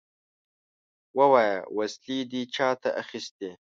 ووايه! وسلې دې چاته اخيستې؟